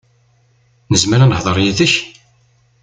Nezmer ad nehder yid-k?